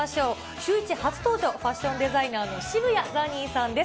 シューイチ初登場、ファッションデザイナーの渋谷ザニーさんです。